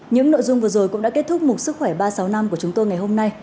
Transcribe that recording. những nội dung vừa rồi cũng đã kết thúc một sức khỏe ba trăm sáu mươi năm của chúng tôi ngày hôm nay